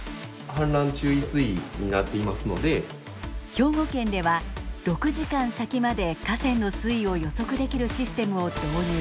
兵庫県では６時間先まで河川の水位を予測できるシステムを導入。